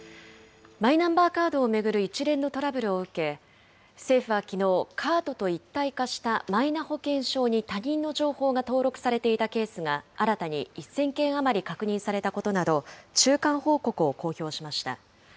マイナンバーカードを巡る一連のトラブルを受け、政府はきのう、カードと一体化したマイナ保険証に他人の情報が登録されていたケースが、新たに１０００件余り確認されたことなど中間報告を公表しました。